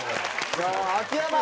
さあ秋山。